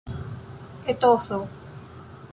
etoso